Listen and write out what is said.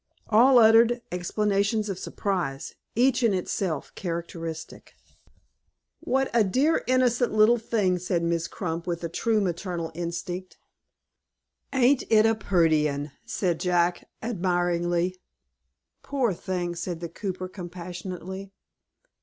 All uttered exclamations of surprise, each in itself characteristic. "What a dear, innocent little thing!" said Mrs. Crump, with true maternal instinct. "Ain't it a pretty 'un?" said Jack, admiringly. "Poor thing!" said the cooper, compassionately.